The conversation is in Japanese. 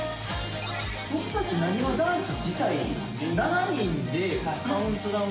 僕たちなにわ男子自体。